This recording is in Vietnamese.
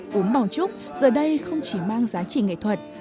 gốm bảo trúc giờ đây không chỉ mang giá trị nghệ thuật